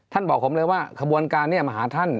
บอกผมเลยว่าขบวนการนี้มาหาท่าน